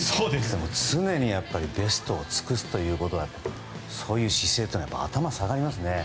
常にベストを尽くすという姿勢というものには頭が下がりますね。